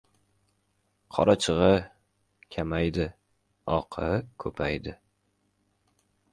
Qorachig‘i kamaydi — oqi ko‘paydi!